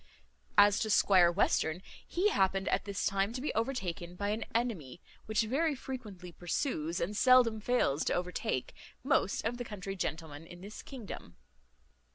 As to Squire Western, he happened at this time to be overtaken by an enemy, which very frequently pursues, and seldom fails to overtake, most of the country gentlemen in this kingdom.